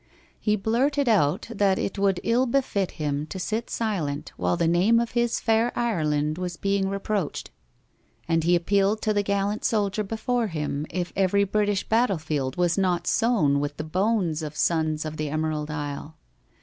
He blurted out that it would ill befit him to sit silent while the name of his fair Ireland was being reproached, and he appealed to the gallant soldier before him if every British battle field was not sown with the bones of sons of the Emerald Isle.